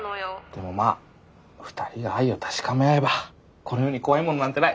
でもまあ２人が愛を確かめ合えばこの世に怖いもんなんてない。